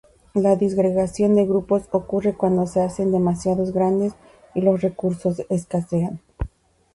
La disgregación de grupos ocurre cuando se hacen demasiado grandes y los recursos escasean.